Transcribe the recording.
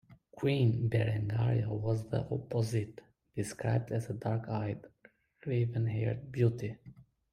Queen Berengaria was the opposite, described as a dark-eyed, raven-haired beauty.